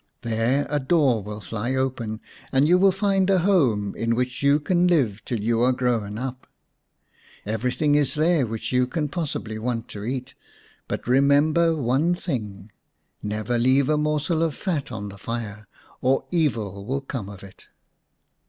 There a door will fly open, and you will find a home in which you can live till you are grown up. Everything is there which you can possibly want to eat, but remember one thing. Never leave a morsel of fat on the fire, or evil will come of it."